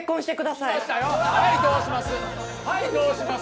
はいどうします？